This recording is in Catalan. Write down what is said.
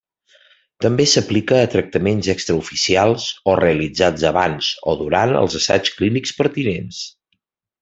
També s'aplica a tractaments extraoficials o realitzats abans o durant els assaigs clínics pertinents.